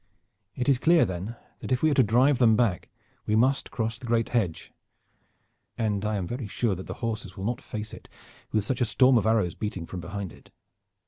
It is clear then that if we are to drive them back we must cross the great hedge, and I am very sure that the horses will not face it with such a storm of arrows beating from behind it.